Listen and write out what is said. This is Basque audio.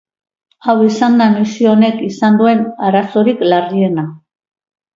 Hau izan da misio honek izan duen arazorik larriena.